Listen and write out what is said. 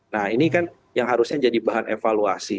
nah ini kan yang harusnya jadi bahan evaluasi